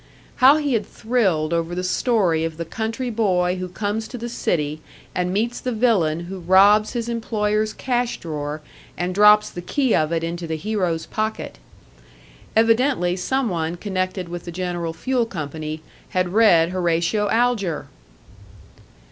How he had thrilled over the story of the country boy who comes to the city, and meets the villain who robs his employer's cash drawer and drops the key of it into the hero's pocket! Evidently some one connected with the General Fuel Company had read Horatio Alger!